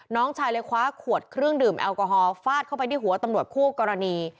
น้องชายเลยคว้าขวดเครื่องดื่มแอลกอฮอลฟาดเข้าไปที่หัวตำรวจคู่กรณี